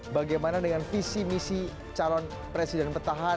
bagaimana dengan visi misi calon presiden petahana